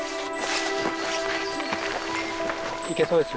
・行けそうです？